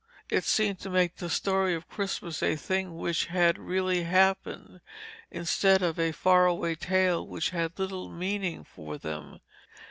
It seemed to make the story of Christmas a thing which had really happened, instead of a far away tale which had little meaning for them.